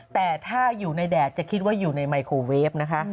แต่ถ้าอยู่ในแดดจะคิดว่าอยู่ในไมโครเวฟนะคะ